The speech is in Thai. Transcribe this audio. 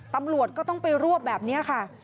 ตำรวจก็ต้องไปรวบแบบนี้ค่ะ